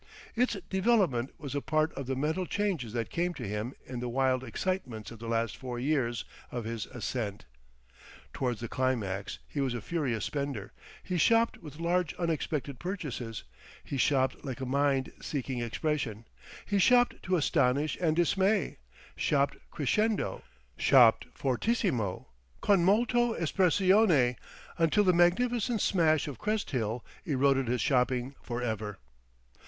Its development was a part of the mental changes that came to him in the wild excitements of the last four years of his ascent. Towards the climax he was a furious spender; he shopped with large unexpected purchases, he shopped like a mind seeking expression, he shopped to astonish and dismay; shopped crescendo, shopped fortissimo, con molto espressione until the magnificent smash of Crest Hill eroded his shopping for ever.